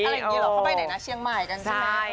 อะไรอย่างนี้เหรอเขาไปไหนนะเชียงใหม่กันใช่ไหม